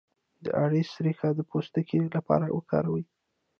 د اریسا ریښه د پوستکي لپاره وکاروئ